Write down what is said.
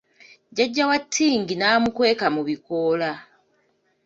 Jjajja wa Tingi n'amukweka mu bikoola.